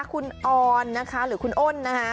คุณออนนะคะหรือคุณอ้นนะคะ